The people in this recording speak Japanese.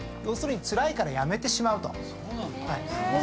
要するにつらいからやめてしまうと。